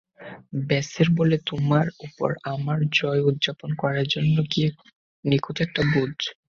বেসের বলে তোমার উপর আমার জয় উদযাপন করার জন্য কী নিখুঁত একটা ভোজ।